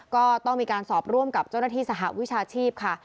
ก็ต้องมีการสอบร่วมกับเจ้าหน้าที่สหวิชาชีพค่ะ